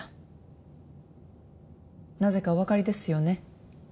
なぜかおわかりですよね？